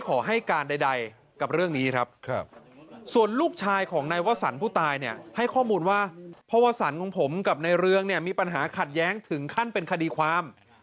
กินไปช่องเขา